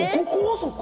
そこ。